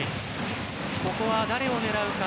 ここは誰を狙うか。